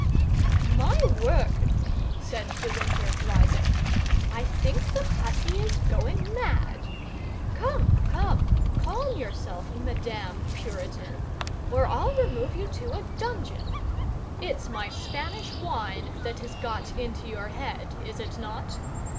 "My word," said de Winter, rising, "I think the hussy is going mad! Come, come, calm yourself, Madame Puritan, or I'll remove you to a dungeon. It's my Spanish wine that has got into your head, is it not?